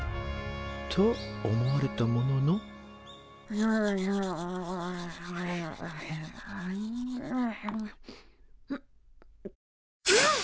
と思われたもののんぐっ！